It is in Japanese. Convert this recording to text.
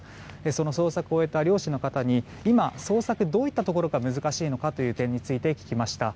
その捜索を終えた漁師の方に今、捜索はどういったところが難しいのか聞きました。